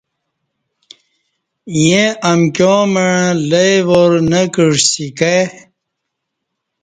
ییں امکیاں مع لئی وار نہ کعسی کائی